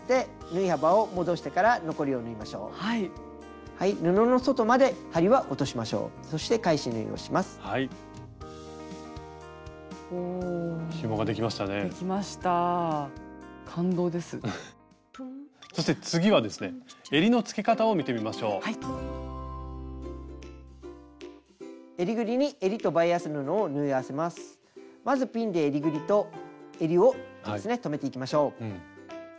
まずピンでえりぐりとえりをですね留めていきましょう。